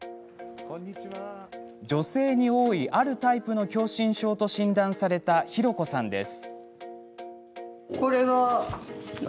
女性に多いあるタイプの狭心症と診断されたひろこさんです。